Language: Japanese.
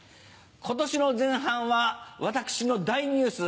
今年の前半は私の大ニュース